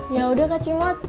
yaudah kak cimot